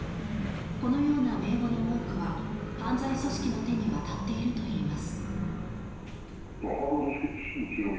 このような名簿の多くは犯罪組織の手に渡っているといいます。